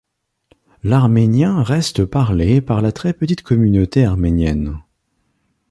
L'arménien reste parlé par la très petite communauté Arménienne.